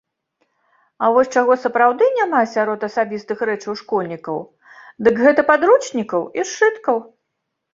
А вось чаго сапраўды няма сярод асабістых рэчаў школьнікаў, дык гэта падручнікаў і сшыткаў.